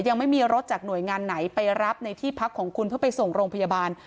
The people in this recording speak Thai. ยังไม่มีรถจากหน่วยงานไหนไปรับในที่พักของคุณเพื่อไปส่งโรงพยาบาล